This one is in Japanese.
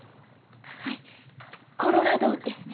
はいコロラドですね。